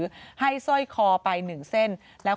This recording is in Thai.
แล้วให้มีข่อไปหนึ่งทาง